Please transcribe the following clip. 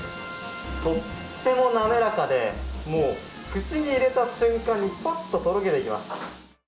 とってもなめらかで、もう口に入れた瞬間にぱっととろけていきます。